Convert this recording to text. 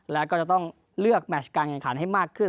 แล้วก็จะต้องเลือกแมชการแข่งขันให้มากขึ้น